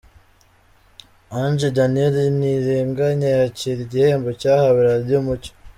Ange Daniel Ntirenganya yakira igihembo cyahawe Radio Umucyo.